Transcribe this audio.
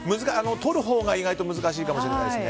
取るほうが意外と難しいかもしれないですね。